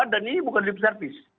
dan ini bukan lip service